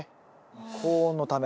高温のため。